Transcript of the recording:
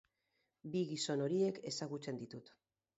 Bi gizon horiek ezagutzen ditut.